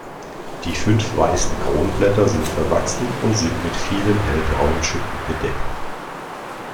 Die fünf weißen Kronblätter sind verwachsen und sind mit vielen hellbraunen Schuppen bedeckt.